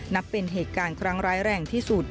นับเป็นเหตุการณ์ครั้งร้ายแรงที่สุด